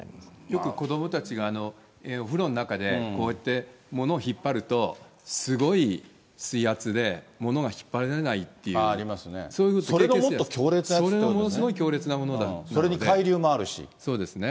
よく子どもたちがお風呂の中でこうやって物を引っ張ると、すごい水圧で、物が引っ張れないっていう、それのものすごい強烈なものですね。